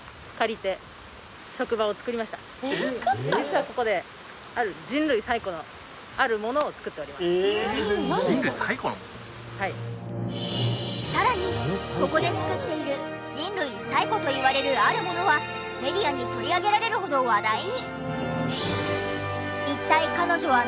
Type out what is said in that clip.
実はここでさらにここで作っている人類最古といわれるあるものはメディアに取り上げられるほど話題に。